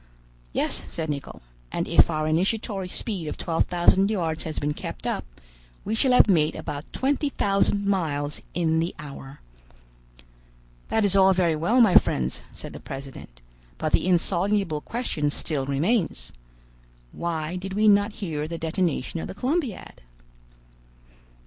"Yes," said Nicholl; "and if our initiatory speed of twelve thousand yards has been kept up, we shall have made about twenty thousand miles in the hour." "That is all very well, my friends," said the president, "but the insoluble question still remains. Why did we not hear the detonation of the Columbiad?"